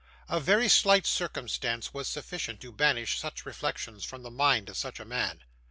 A very slight circumstance was sufficient to banish such reflections from the mind of such a man.